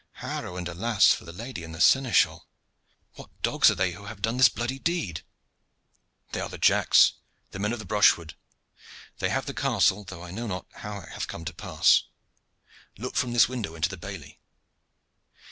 Harrow and alas for the lady and the seneschal! What dogs are they who have done this bloody deed?" "They are the Jacks, the men of the brushwood. They have the castle, though I know not how it hath come to pass. Look from this window into the bailey."